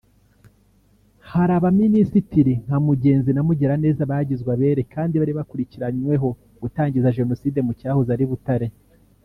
Hari abari Abaminisitiri nka Mugenzi na Mugiraneza bagizwe abere kandi bari bakurikiranyweho gutangiza Jenoside mu cyahoze ari Butare